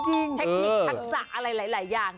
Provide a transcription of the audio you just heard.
เทคนิคทักษะอะไรหลายอย่าง